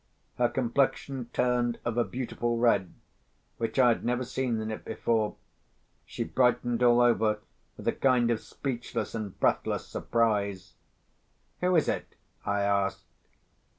Her complexion turned of a beautiful red, which I had never seen in it before; she brightened all over with a kind of speechless and breathless surprise. "Who is it?" I asked.